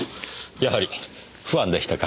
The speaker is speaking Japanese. やはりファンでしたか。